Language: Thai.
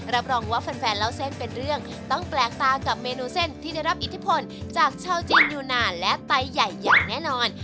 รับรองว่าแฟนเล่าเส้นเป็นเรื่องต้องแปลกตากับเมนูเส้นที่ได้รับอิทธิพลจากชาวจีนอยู่นานและไตใหญ่อย่างแน่นอน